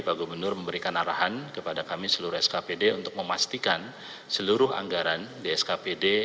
pak gubernur memberikan arahan kepada kami seluruh skpd untuk memastikan seluruh anggaran di skpd